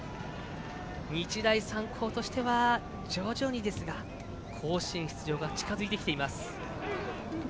日大三高としては徐々にですが甲子園出場が近づいてきています。